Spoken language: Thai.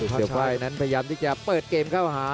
เสียไฟล์นั้นพยายามที่จะเปิดเกมเข้าหา